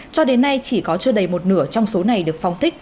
cho đến nay chỉ có chưa đầy một nửa trong số này được phong thích